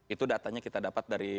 itu datanya kita dapatkan dari pemprov